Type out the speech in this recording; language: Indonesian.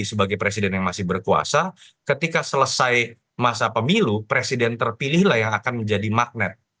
jadi sebagai presiden yang masih berkuasa ketika selesai masa pemilu presiden terpilihlah yang akan menjadi magnet